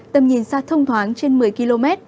tầm nhìn xa thông thoáng trên một mươi km